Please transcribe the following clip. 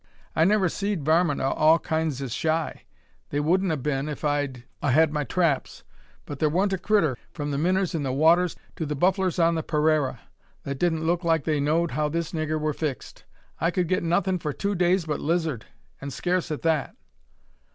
"I never seed varmint o' all kinds as shy. They wudn't 'a been if I'd 'a had my traps; but there wa'n't a critter, from the minners in the waters to the bufflers on the paraira, that didn't look like they knowed how this niggur were fixed. I kud git nuthin' for two days but lizard, an' scarce at that."